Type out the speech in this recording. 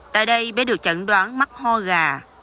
tại đây bé được chẩn đoán mắc ho gà